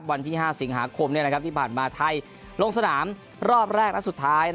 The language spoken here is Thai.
วันที่๕สิงหาคมที่ผ่านมาไทยลงสนามรอบแรกและสุดท้าย